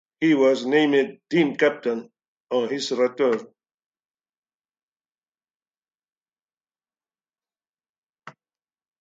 He was named team captain on his return.